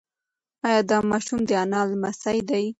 ایا دا ماشوم د انا لمسی دی؟